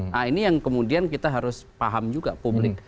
nah ini yang kemudian kita harus paham juga publik